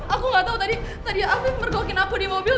aku gak tau tadi tadi afif mergokin aku di mobil